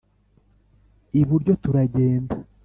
iburyo, turagenda.